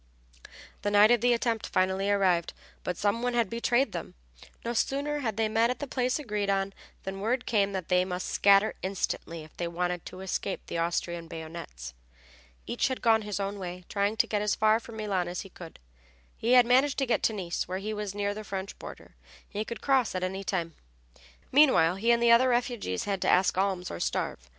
The night of the attempt finally arrived but some one had betrayed them. No sooner had they met at the place agreed on than word came that they must scatter instantly if they wanted to escape the Austrian bayonets. Each had gone his own way, trying to get as far from Milan as he could. He had managed to get to Nice, where he was near the French border, and could cross it at any time. Meanwhile he and the other refugees had to ask alms or starve.